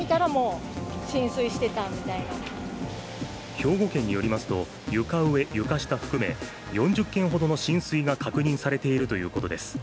兵庫県によりますと、床上・床下含め、４０軒ほどの浸水が確認されているということです。